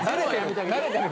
・慣れてる。